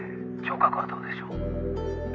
聴覚はどうでしょう？